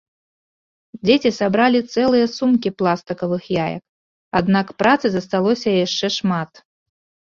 Дзеці сабралі цэлыя сумкі пластыкавых яек, аднак працы засталося яшчэ шмат.